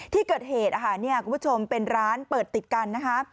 ที่เกิดเหตุเนี่ยคุณผู้ชมเป็นร้านเปิดติดกันนะคะ